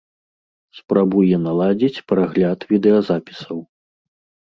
Спрабуе наладзіць прагляд відэазапісаў.